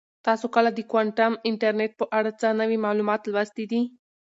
تاسو کله د کوانټم انټرنیټ په اړه څه نوي معلومات لوستي دي؟